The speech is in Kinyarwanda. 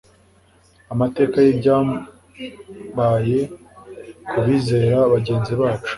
amateka y'ibyabaye ku bizera bagenzi bacu